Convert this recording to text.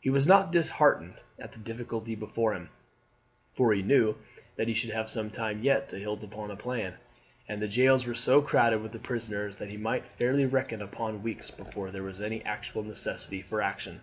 He was not disheartened at the difficulty before him, for he knew that he should have some time yet to hit upon a a plan, and the jails were so crowded with prisoners that he might fairly reckon upon weeks before there was any actual necessity for action.